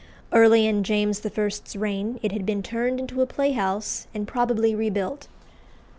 Early in James I.'s reign it had been turned into a playhouse, and probably rebuilt.